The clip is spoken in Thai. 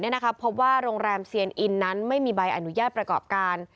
พบว่าโรงแรมเซียนอินนั้นไม่มีใบอนุญาตประกอบการ